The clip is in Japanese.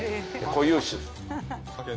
固有種。